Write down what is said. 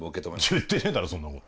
言ってねえだろそんなこと。